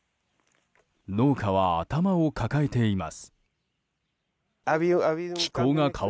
農家は頭を抱えています。